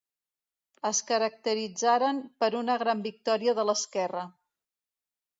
Es caracteritzaren per una gran victòria de l'esquerra.